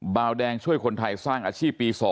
บาวแดงช่วยคนไทยสร้างอาชีพปี๒